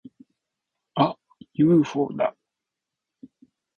あっ！ユーフォーだ！